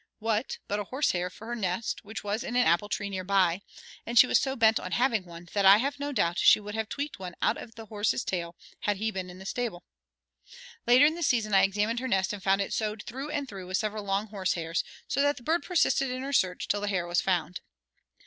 What, but a horsehair for her nest which was in an apple tree near by; and she was so bent on having one that I have no doubt she would have tweaked one out of the horse's tail had he been in the stable. Later in the season I examined her nest and found it sewed through and through with several long horse hairs, so that the bird persisted in her search till the hair was found.